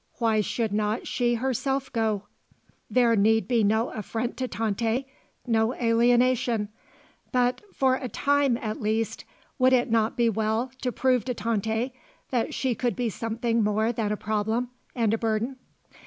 Why should not she herself go? There need be no affront to Tante, no alienation. But, for a time, at least, would it not be well to prove to Tante that she could be something more than a problem and a burden?